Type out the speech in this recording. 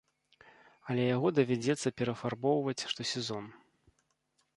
Але яго давядзецца перафарбоўваць штосезон.